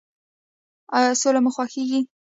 ایا سوله مو خوښیږي؟